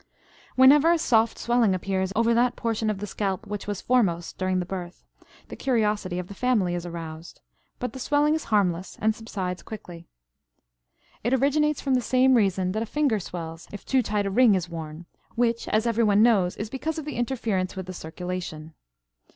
Whenever a soft swelling appears over that portion of the scalp which was foremost during the birth, the curiosity of the family is aroused; but the swelling is harmless and subsides quickly. It originates for the same reason that a finger swells if too tight a ring is worn, which, as everyone knows, is because of interference with the circulation.